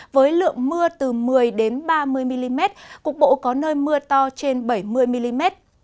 với lượng mưa từ một mươi ba mươi mm cục bộ có nơi mưa to trên bảy mươi mm